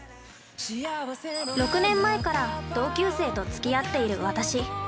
◆６年前から同級生とつき合っている私。